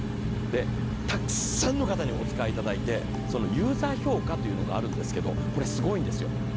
たくさんの方にお使いいただいて、ユーザー評価というのがあるんですけど、これ、すごいんですよ。